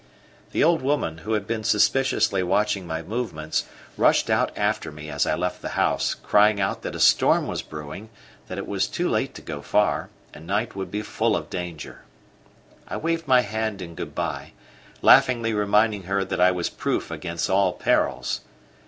The old woman, who had been suspiciously watching my movements, rushed out after me as I left the house, crying out that a storm was brewing, that it was too late to go far, and night would be full of danger. I waved my hand in good bye, laughingly reminding her that I was proof against all perils.